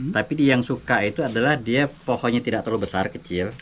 tapi dia yang suka itu adalah dia pohonnya tidak terlalu besar kecil